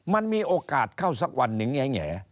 มันมีโอกาสเข้าสักวันหนึ่งแง่